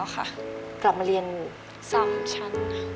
กลับมาเรียน๓ชั้น